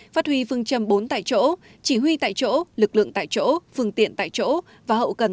phát huy phương châm bốn tại chỗ chỉ huy tại chỗ lực lượng tại chỗ phương tiện tại chỗ và hậu cần